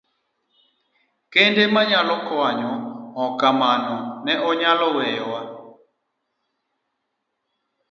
Kende manyalo konyo, kok kamano ne onyalo weyowa.